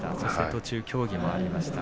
途中、協議もありました。